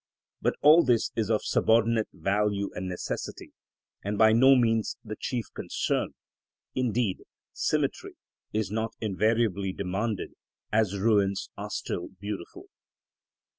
But all this is of subordinate value and necessity, and by no means the chief concern; indeed, symmetry is not invariably demanded, as ruins are still beautiful.